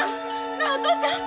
なあお父ちゃん！